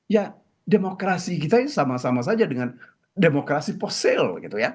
ya demokrasi kita ini sama sama saja dengan demokrasi fosil gitu ya